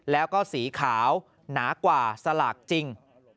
แล้วก็สีขาวหนากว่าสลากจริง